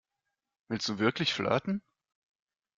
Willst du wirklich flirten?